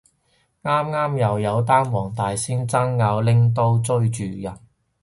啱啱又有單黃大仙爭拗拎刀追住人